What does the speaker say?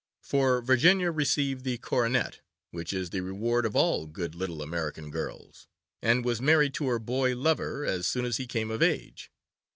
For Virginia received the coronet, which is the reward of all good little American girls, and was married to her boy lover as soon as he came of age.